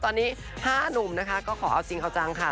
ตอนนี้๕หนุ่มนะคะก็ขอเอาจริงเอาจังค่ะ